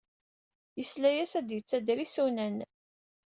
Yesla-as la d-yettader isunan.